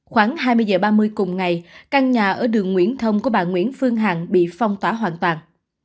khoảng hai mươi h ba mươi cùng ngày căn nhà ở đường nguyễn thông của bà nguyễn phương hằng bị phong tỏa hoàn toàn